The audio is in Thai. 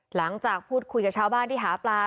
หลังจากพูดคุยกับชาวบ้านที่หาปลา